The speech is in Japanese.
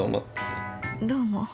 どうも。